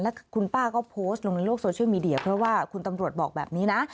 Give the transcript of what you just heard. แล้วคุณป้าก็โพสต์ลงในโลกโซเชียลมีเดียเพราะว่าคุณตำรวจบอกแบบนี้นะ